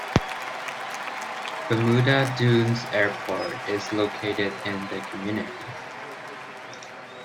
Bermuda Dunes Airport is located in the community.